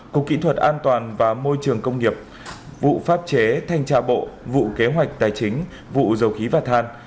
cục kỹ thuật an toàn và môi trường công nghiệp vụ pháp chế thanh tra bộ vụ kế hoạch tài chính vụ dầu khí và than